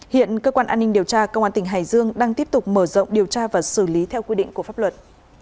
hiện cơ quan an ninh điều tra công an tỉnh hải dương đang tiếp tục mở rộng điều tra và xử lý theo quy định của pháp luật